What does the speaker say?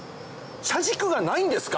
車軸がないんですか？